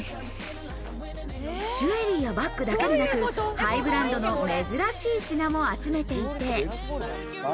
ジュエリーやバックだけでなく、ハイブランドの珍しい品も集めていて。